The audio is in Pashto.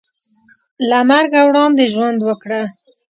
له مرګه وړاندې ژوند وکړه .